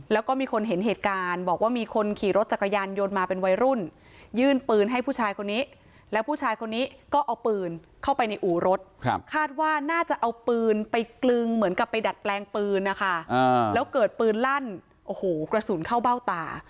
แล้วก็มีคนเห็นเหตุการณ์บอกว่ามีคนขี่รถจักรยานยนต์มาเป็นวัยรุ่นยื่นปืนให้ผู้ชายคนนี้แล้วผู้ชายคนนี้ก็เอาปืนเข้าไปในอู่รถคาดว่าน่าจะเอาปืนไปกลึงเหมือนกับไปดัดแปลงปืนนะคะแล้วเกิดปืนลั่นโอ้โหกระสุนเข้าเบ้าตา